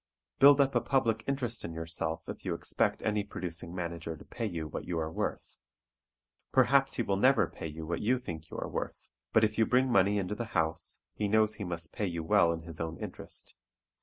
Build up a public interest in yourself if you expect any producing manager to pay you what you are worth. Perhaps he will never pay you what you think you are worth, but if you bring money into the house he knows he must pay you well in his own interest.